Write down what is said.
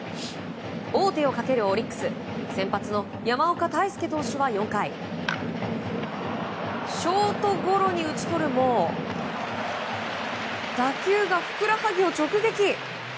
王手をかけるオリックス先発の山岡泰輔投手は４回ショートゴロに打ち取るも打球がふくらはぎを直撃。